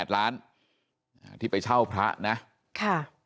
๒๘ล้านที่ไปเช่าพระนะค่ะ